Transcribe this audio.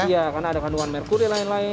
iya karena ada kandungan merkuri lain lain